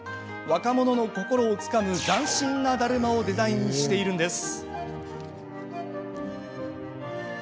若者の心をつかむ斬新なだるまをデザインしているんです。